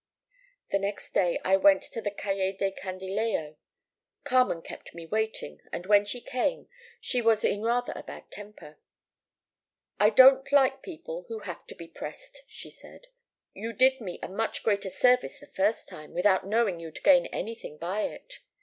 "The next day I went to the Calle del Candilejo. Carmen kept me waiting, and when she came, she was in rather a bad temper. "'I don't like people who have to be pressed,' she said. 'You did me a much greater service the first time, without knowing you'd gain anything by it.